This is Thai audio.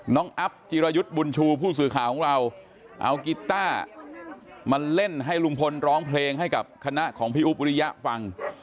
อัพจิรยุทธ์บุญชูผู้สื่อข่าวของเราเอากีต้ามาเล่นให้ลุงพลร้องเพลงให้กับคณะของพี่อุ๊บอุริยะฟัง